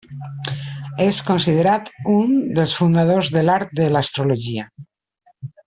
És considerat un dels fundadors de l'art de l'astrologia.